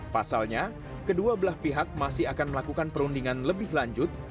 pasalnya kedua belah pihak masih akan melakukan perundingan lebih lanjut